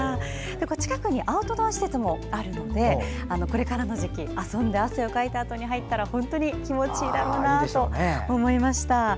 近くにアウトドア施設もあるのでこれからの時期遊んで汗をかいたあとに入ったら本当に気持ちいいだろうなと思いました。